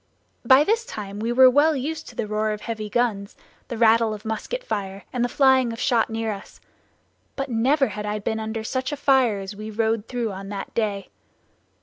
By this time we were well used to the roar of heavy guns, the rattle of musket fire, and the flying of shot near us; but never had I been under such a fire as we rode through on that day.